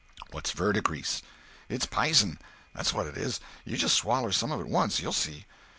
"What's verdigrease?" "It's p'ison. That's what it is. You just swaller some of it once—you'll see."